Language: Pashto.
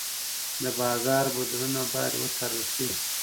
د بازار بدلونونه باید وڅارل شي.